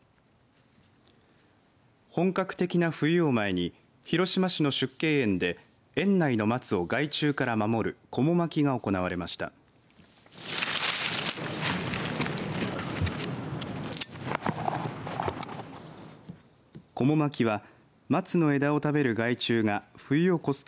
本格的な冬を前に広島市の縮景園で園内の松を害虫から守るこも巻きが行われました。